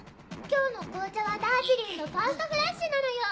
今日の紅茶はダージリンのファーストフラッシュなのよ。